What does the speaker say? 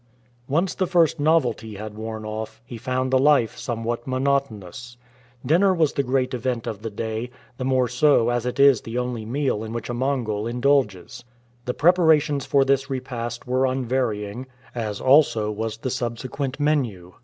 Once the first novelty had worn off^, he found the life somewhat monotonous. Dinner was the great event of the day, the more so as it is the only meal in which a Mongol indulges. The preparations for this repast were unvarying, as also was the subsequent menu.